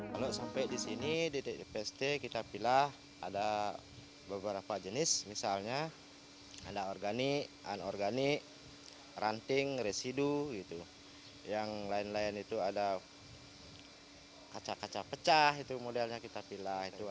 kalau sampai di sini di pst kita pilih ada beberapa jenis misalnya ada organik anorganik ranting residu yang lain lain itu ada kaca kaca pecah itu modelnya kita pilih